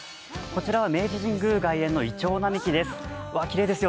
こちらは明治神宮外苑のイチョウ並木です。